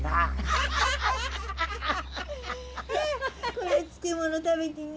これ漬物食べてみ。